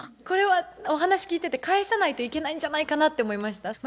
これはお話聞いてて返さないといけないんじゃないかなって思いました。